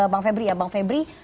bang febri ya bang febri